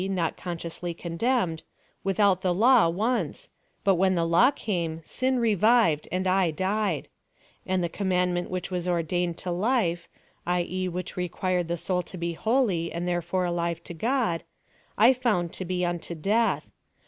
not consciously condemned) without the law once, but when the law came, sin revived and I died ; and the commandment which was ordained to life, i. e. which required the soul to be holy and there fore alive to God) I found to be unto death.